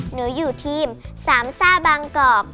หนูอยู่ทีมสามซ่าบางกอก